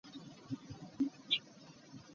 Lwaki ovuma abantu entakera?